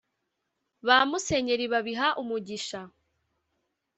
Ba musenyeri babiha umugisha